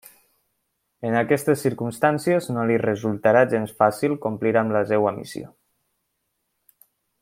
En aquestes circumstàncies no li resultarà gens fàcil complir amb la seva missió.